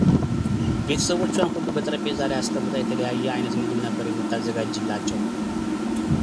ቤተሰቦቿን ሁሉ በጠረጴዛ ላይ አስቀምጣ የተለያየ ዓይነት ምግብ ነበር የምታዘጋጅላቸው።